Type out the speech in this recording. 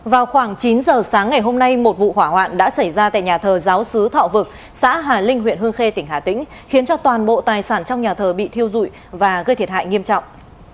vào khoảng chín giờ sáng ngày hôm nay một vụ hỏa hoạn đã xảy ra tại nhà thờ giáo sứ thọ vực xã hà linh huyện hương khê tỉnh hà tĩnh khiến cho toàn bộ tài sản trong nhà thờ bị thiêu dụi và gây thiệt hại nghiêm trọng